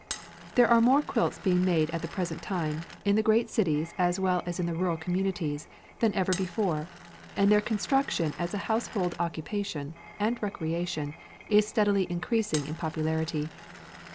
There are more quilts being made at the present time in the great cities as well as in the rural communities than ever before, and their construction as a household occupation and recreation is steadily increasing in popularity.